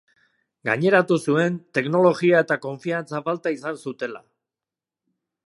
Gaineratu zuen, teknologia eta konfiantza falta izan zutela.